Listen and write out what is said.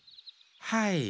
はい。